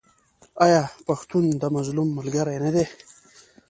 آیا پښتون د مظلوم ملګری نه دی؟